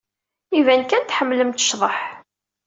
Iban kan tḥemmlemt ccḍeḥ.